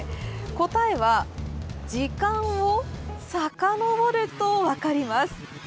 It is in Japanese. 答えは時間をさかのぼると分かります。